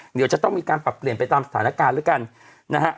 เดี๋ยวจะต้องมีการปรับเปลี่ยนไปตามสถานการณ์แล้วกันนะฮะ